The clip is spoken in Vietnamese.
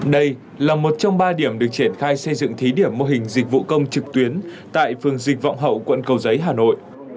đây là một trong ba điểm được triển khai xây dựng thí điểm mô hình dịch vụ công trực tuyến tại phường dịch vọng hậu quận cầu giấy hà nội